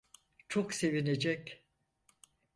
Çok sevinecek.